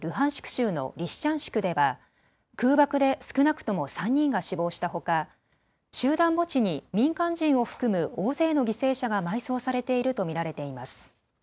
州のリシチャンシクでは空爆で少なくとも３人が死亡したほか集団墓地に民間人を含む大勢の犠牲者が埋葬されていると見られています。